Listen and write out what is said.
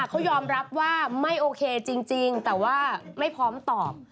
เขายอมรับว่าไม่โอเคจริงแต่ว่าไม่พร้อมตอบ